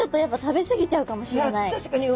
確かに。